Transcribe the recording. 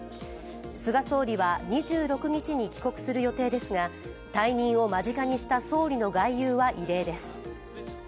菅総理は２６日に帰国する予定ですが退任を間近にした総理の外遊は異例です。